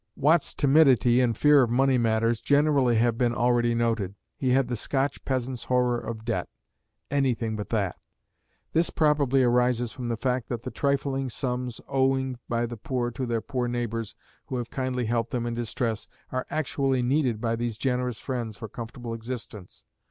Watt's timidity and fear of money matters generally have been already noted. He had the Scotch peasant's horror of debt anything but that. This probably arises from the fact that the trifling sums owing by the poor to their poor neighbors who have kindly helped them in distress are actually needed by these generous friends for comfortable existence.